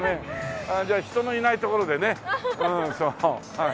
じゃあ人のいない所でねうん。